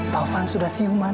taufan sudah siuman